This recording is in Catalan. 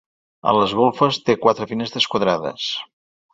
A les golfes té quatre finestres quadrades.